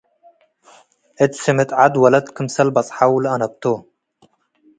እት ስምጥ ዐድ ወለት ክምሰል በጽሐው ለአነብቶ ።